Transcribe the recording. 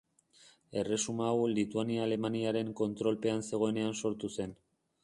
Erresuma hau Lituania Alemaniaren kontrolpean zegoenean sortu zen.